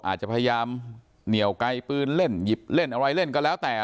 อาจจะพยายามเหนียวไกลปืนเล่นหยิบเล่นอะไรเล่นก็แล้วแต่